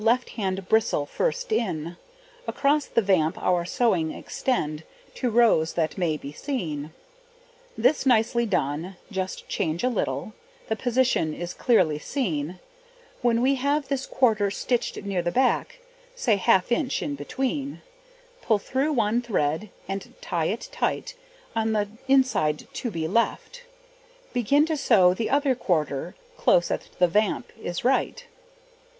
Begin to sew at extreme end; Put left hand bristle first in; Across the vamp our sewing extend, Two rows that may be seen. This nicely done, just change a little; The position is clearly seen When we have this quarter stitched near the back, Say half inch in between, Pull through one thread and tie it tight, On the inside to be left; Begin to sew the other quarter, Close at the vamp is right.